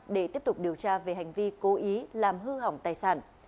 để tiếp tục điều tra về hành vi cố ý làm hư hỏng tài sản